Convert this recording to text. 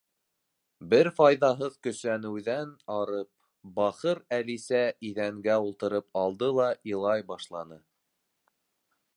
Бер файҙаһыҙ көсәнеүҙән арып, бахыр Әлисә иҙәнгә ултырып алды ла илай башланы.